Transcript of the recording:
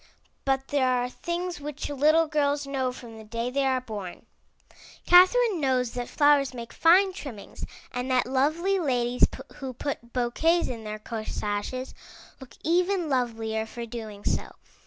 But there are things which little girls know from the day they are born. Catherine knows that flowers make fine trimmings, and that lovely ladies who put bouquets in their corsages look even lovelier for doing so.